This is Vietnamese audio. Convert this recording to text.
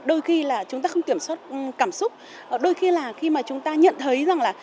đôi khi là chúng ta không kiểm soát cảm xúc đôi khi là khi mà chúng ta nhận thấy rằng là